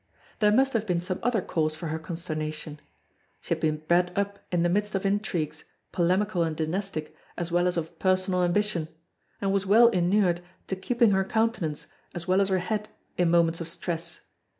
There must have been some other cause for her consternation. She had been bred up in the midst of intrigues, polemical and dynastic as well as of personal ambition, and was well inured to keeping her countenance as well as her head in moments of stress.